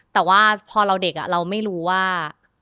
แต่ว่าพอเราเด็กเราไม่รู้ว่า